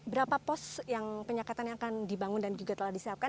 berapa pos yang penyekatan yang akan dibangun dan juga telah disiapkan